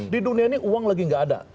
di dunia ini uang lagi nggak ada